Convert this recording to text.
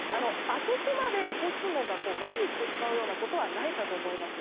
あそこまで交通網がまひしてしまうことはないかと思います。